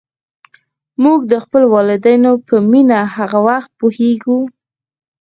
موږ د خپلو والدینو په مینه هغه وخت پوهېږو.